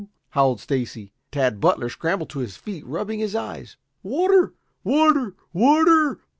howled Stacy. Tad Butler scrambled to his feet, rubbing his eyes. "Water! Water! Water!